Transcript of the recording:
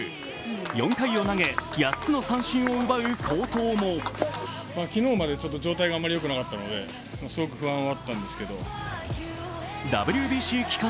４回を投げ、８つの三振を奪う好投もＷＢＣ期間